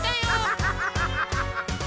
ハハハハ！